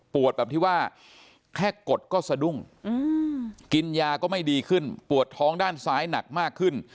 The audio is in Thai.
แบบที่ว่าแค่กดก็สะดุ้งกินยาก็ไม่ดีขึ้นปวดท้องด้านซ้ายหนักมากขึ้น